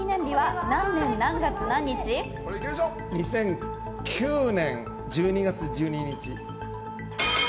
２００９年１２月１２日。